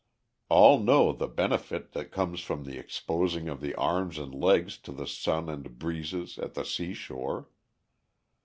All know the benefit that comes from the exposing of the arms and legs to the sun and breezes at the sea shore.